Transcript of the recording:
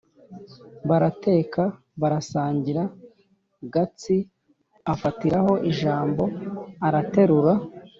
Barateka, barasangira. Gatsi; afatiraho ijambo; araterura